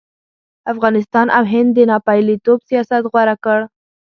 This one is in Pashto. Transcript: افغانستان او هند د ناپېلتوب سیاست غوره کړ.